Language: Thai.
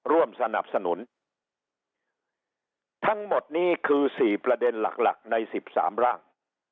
ร่วมสนับสนุนทั้งหมดนี้คือ๔ประเด็นหลักหลักใน๑๓ร่าง